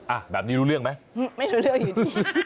อ่ะแบบนี้รู้เรื่องไหมไม่รู้เรื่องอยู่ดี